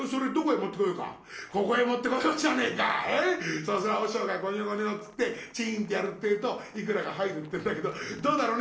そうすりゃ和尚がごにょごにょっつってチンッてやるってえといくらか入るってんだけどどうだろね？」。